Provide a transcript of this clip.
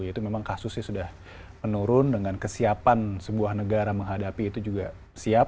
yaitu memang kasusnya sudah menurun dengan kesiapan sebuah negara menghadapi itu juga siap